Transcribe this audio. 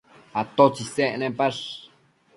atotsi isec nepash?